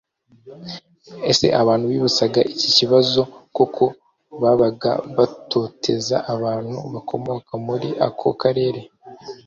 ese abantu bibutsaga iki kibazo koko babaga batoteza abantu bakomoka muri ako karere?